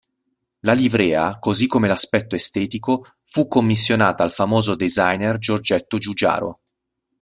La livrea, così come l'aspetto estetico, fu commissionata al famoso designer Giorgetto Giugiaro.